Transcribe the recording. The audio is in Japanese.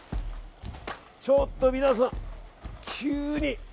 ちょっと皆さん、急に。